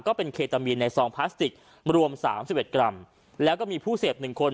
ก็เป็นเคตามีนในซองพลาสติกรวม๓๑กรัมแล้วก็มีผู้เสพหนึ่งคน